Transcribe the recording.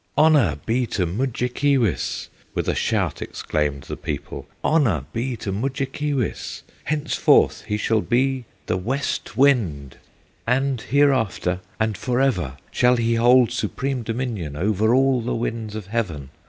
"Honor be to Mudjekeewis!" With a shout exclaimed the people, "Honor be to Mudjekeewis! Henceforth he shall be the West Wind, And hereafter and forever Shall he hold supreme dominion Over all the winds of heaven.